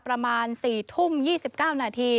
ประมาณ๔ทุ่ม๒๙นาที